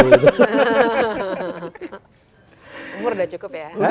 umur udah cukup ya